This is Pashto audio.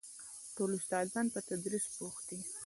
ټول استادان په تدريس بوخت دي.